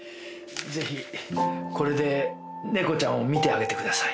ぜひこれで猫ちゃんを診てあげてください。